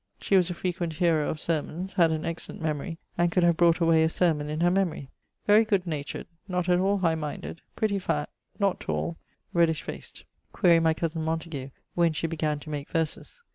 She was a frequent hearer of sermons; had an excellent memory and could have brought away a sermon in her memory. Very good natured; not at all high minded; pretty fatt; not tall; reddish faced. Quaere my cosen Montagu when she began to make verses.